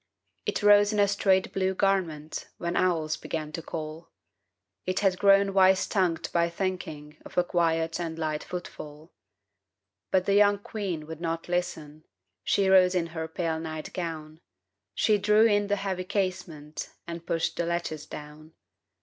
It rose in a straight blue garment, When owls began to call : It had grown wise tongued by thinking Of a quiet and light footfall ; But the young queen would not listen ; She rose in her pale night gown ; She drew in the heavy casement And pushed the latches down.